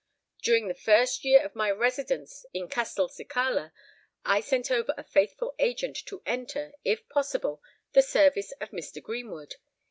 During the first year of my residence in Castelcicala I sent over a faithful agent to enter, if possible, the service of Mr. Greenwood.